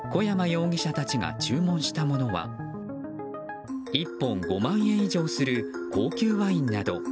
容疑者たちが注文したものは１本５万円以上する高級ワインなど。